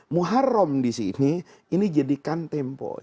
muharram disini ini jadikan tempo